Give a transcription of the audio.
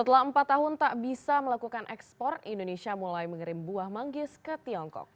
setelah empat tahun tak bisa melakukan ekspor indonesia mulai mengirim buah manggis ke tiongkok